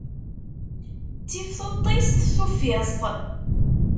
Ttif tuṭṭist tuffiẓt.